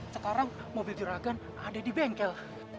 sekarang mobil juragan ada di bengkel